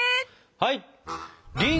はい！